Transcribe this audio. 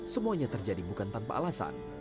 semuanya terjadi bukan tanpa alasan